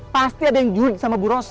pasti ada yang judik sama bu rosa